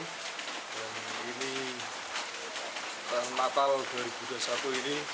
dan ini tahun natal dua ribu dua puluh satu ini